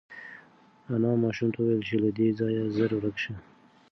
انا ماشوم ته وویل چې له دې ځایه زر ورک شه.